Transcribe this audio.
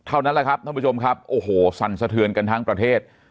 เท่านั้นแหละครับท่านผู้ชมครับโอ้โหสั่นสะเทือนกันทั้งประเทศ